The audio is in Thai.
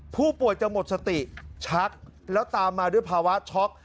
ผู้ป่วยจะหมดสติชักแล้วตามมาด้วยภาวะช็อก